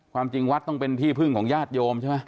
ความจริงวัดต้องเป็นที่พึ่งของญาติโยมใช่ไหม